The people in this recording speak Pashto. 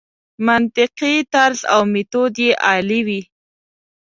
منطقي طرز او میتود یې عالي وي.